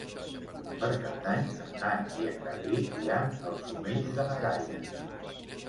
Per Cap d'Any en Dan i en Garbí iran als Omells de na Gaia.